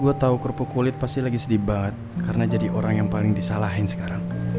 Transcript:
gue tahu kerupuk kulit pasti lagi sedih banget karena jadi orang yang paling disalahin sekarang